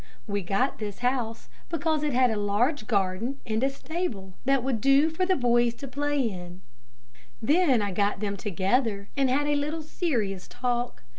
We got this house because it had a large garden, and a stable that would do for the boys to play in. Then I got them together, and had a little serious talk.